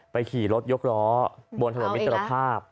ขี่รถยกล้อบนถนนมิตรภาพ